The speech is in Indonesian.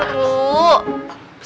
tunggu dulu dong